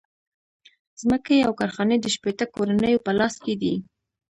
ځمکې او کارخانې د شپیته کورنیو په لاس کې دي